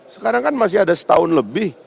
sekarang kan masih ada setahun lebih